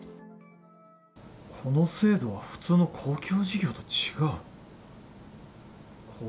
この制度は普通の公共事業と違う。